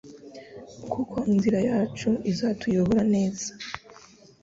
kuko inzira yacu izatuyobora neza